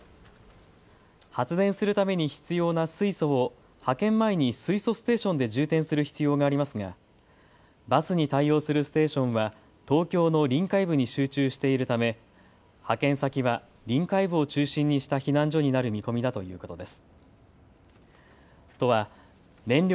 発電するために必要な水素を派遣前に水素ステーションで充填する必要がありますがバスに対応するステーションは東京の臨海部に集中しているため派遣先は臨海部を中心にした避難所になる見込みだということです。